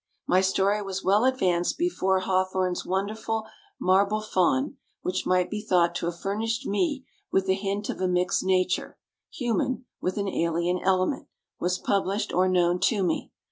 My story was well advanced before Hawthorne's wonderful "Marble Faun," which might be thought to have furnished me with the hint of a mixed nature, human, with an alien element, was published or known to me.